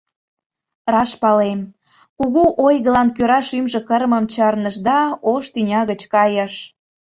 Раш палем: кугу ойгылан кӧра шӱмжӧ кырымым чарныш да ош тӱня гыч кайыш.